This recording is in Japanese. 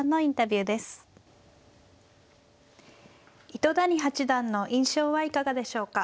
糸谷八段の印象はいかがでしょうか。